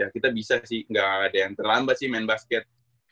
kita bisa sih nggak ada yang terlambat sih main basket